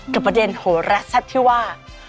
กับประเด็นห่อรัสทรัพย์ที่ว่า